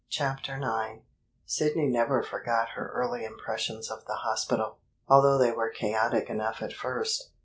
CHAPTER IX Sidney never forgot her early impressions of the hospital, although they were chaotic enough at first.